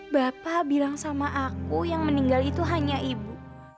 bapak bilang sama aku yang meninggal itu hanya ibu